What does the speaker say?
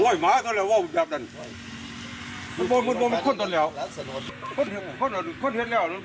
เย็นโอ้ว